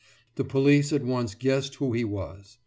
The police at once guessed who he was.